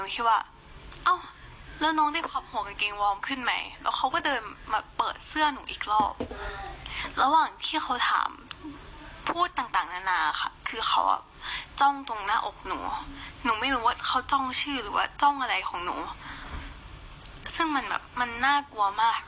เจ้าตัวเล่าหน่อยค่ะ